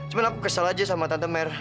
cuma aku kesel aja sama tante mer